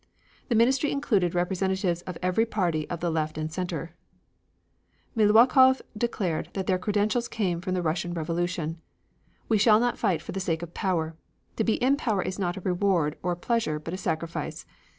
The ministry included representatives of every party of the left and center. Miliukov declared that their credentials came from the Russian revolution: "We shall not fight for the sake of power. To be in power is not a reward or pleasure but a sacrifice.